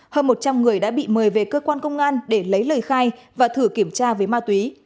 hơn một trăm linh người đã bị mời về cơ quan công an để lấy lời khai và thử kiểm tra với ma túy